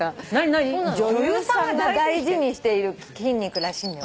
女優さんが大事にしている筋肉らしいのよ